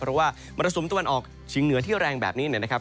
เพราะว่ามรสุมตะวันออกเฉียงเหนือที่แรงแบบนี้นะครับ